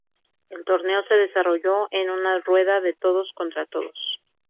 El torneo se desarrolló en una rueda de todos contra todos.